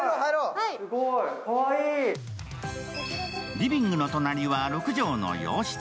リビングの隣は６畳の洋室。